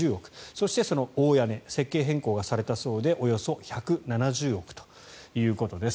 そして大屋根設計変更されたそうでおよそ１７０億ということです。